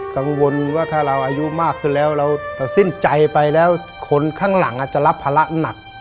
กังวลว่าถ้าเราอายุมากขึ้นแล้วเราสิ้นใจไปแล้วคนข้างหลังอาจจะรับภาระหนัก